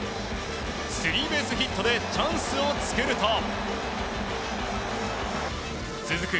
スリーベースヒットでチャンスを作ると続く